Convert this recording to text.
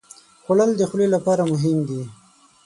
خوړل د خولې لپاره مهم دي